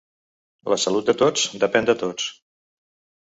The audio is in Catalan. La salut de tots depèn de tots.